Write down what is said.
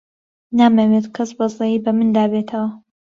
نامەوێت کەس بەزەیی بە مندا بێتەوە.